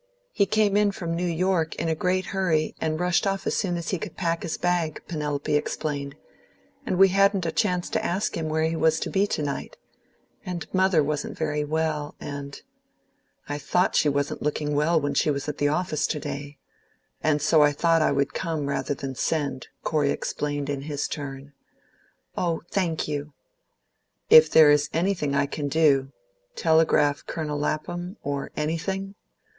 "He came in from New York, in a great hurry, and rushed off as soon as he could pack his bag," Penelope explained, "and we hadn't a chance to ask him where he was to be to night. And mother wasn't very well, and " "I thought she wasn't looking well when she was at the office to day. And so I thought I would come rather than send," Corey explained in his turn. "Oh, thank you!" "If there is anything I can do telegraph Colonel Lapham, or anything?"